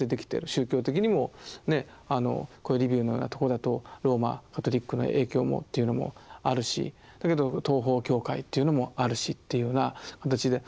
宗教的にもねあのこういうリビウのようなとこだとローマカトリックの影響もというのもあるしだけど東方教会というのもあるしというような形で。